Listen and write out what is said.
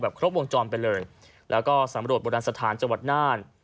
แบบครบวงจอมไปเลยแล้วก็สำหรับบรรณสถานจังหวัดน่าน